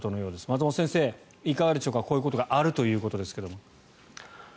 松本先生、いかがでしょうかこういうことがあるということですが。